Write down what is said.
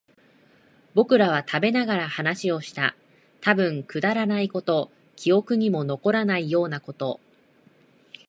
僕らは食べながら話をした。たぶんくだらないこと、記憶にも残らないようなこと。